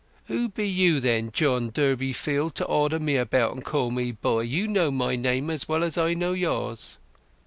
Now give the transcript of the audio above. "Who be you, then, John Durbeyfield, to order me about and call me 'boy'? You know my name as well as I know yours!"